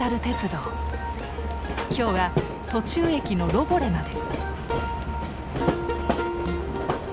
今日は途中駅のロボレまで。